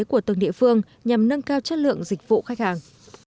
của từng địa phương nhằm nâng cao chất lượng dịch vụ khách hàng